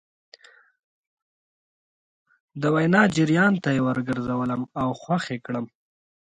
د وينا جريان ته يې ور ګرځولم او خوښ يې کړم.